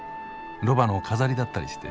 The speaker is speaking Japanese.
ロバの飾りだったりして？